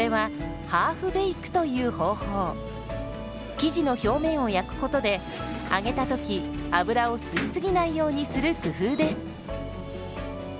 生地の表面を焼くことで揚げた時油を吸い過ぎないようにする工夫です。